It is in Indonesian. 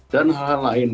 dan hal hal lain